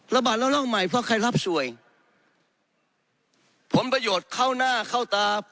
ระบาดแล้วร่องใหม่เพราะใครรับสวยผลประโยชน์เข้าหน้าเข้าตา